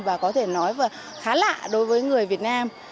và có thể nói và khá lạ đối với người việt nam